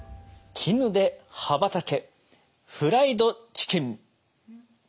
絹で羽ばたけフライドチキヌ。